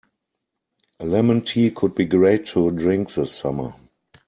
A lemon tea could be great to drink this summer.